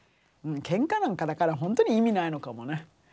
けんかなんかだからほんとに意味ないのかもね。